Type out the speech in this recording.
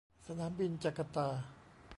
สนามบินจาการ์ตา